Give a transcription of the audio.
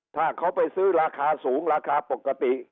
ถ้าเขาไปซื้อราคาสูงราคาปกติ